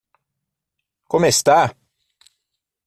Como está?